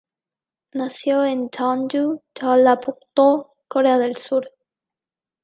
Nació en Jeonju, Jeollabuk-do, Corea del Sur.